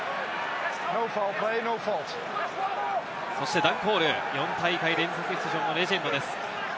そしてダン・コール、４大会連続出場のレジェンドです。